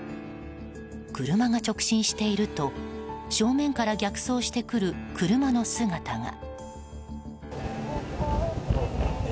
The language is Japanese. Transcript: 車が直進していると正面から逆走してくる車の姿が。